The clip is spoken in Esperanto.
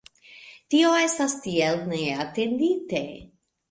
Tio estas tiel neatendite.